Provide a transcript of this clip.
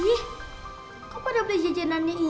ih kamu pada beli jajanan yang intens sih